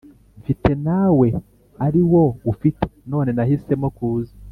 mfite nawe ariwo ufite none nahisemo kuza